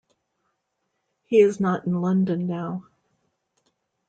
He is not in London now.